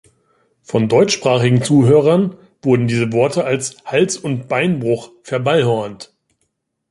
Von deutschsprachigen Zuhörern wurden diese Worte als "Hals- und Beinbruch" verballhornt.